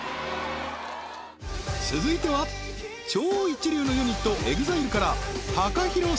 続いては超一流のユニットＥＸＩＬＥからＴＡＫＡＨＩＲＯ様